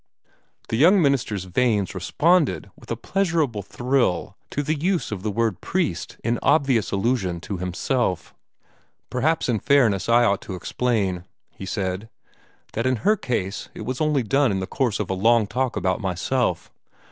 The young minister's veins responded with a pleasurable thrill to the use of the word "priest" in obvious allusion to himself. "Perhaps in fairness I ought to explain," he said, "that in her case it was only done in the course of a long talk about myself.